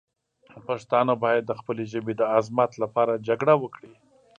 پښتانه باید د خپلې ژبې د عظمت لپاره جګړه وکړي.